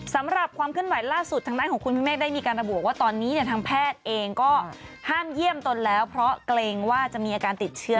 สำหรับความเคลื่อนไหวล่าสุดทางด้านของคุณพี่เมฆได้มีการระบุว่าตอนนี้เนี่ยทางแพทย์เองก็ห้ามเยี่ยมตนแล้วเพราะเกรงว่าจะมีอาการติดเชื้อ